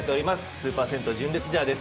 「スーパー戦闘純烈ジャー」です